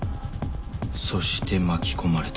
そして巻き込まれた。